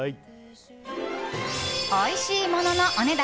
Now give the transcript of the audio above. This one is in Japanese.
おいしいもののお値段